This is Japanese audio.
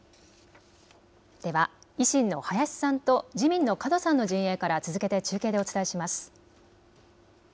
では維新の林さんと自民の門さんの陣営から続けて中継でお伝えします。